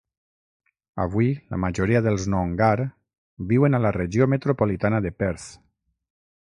Avui, la majoria dels Noongar viuen a la Regió Metropolitana de Perth.